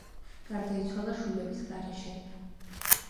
გარდაიცვალა შვილების გარეშე.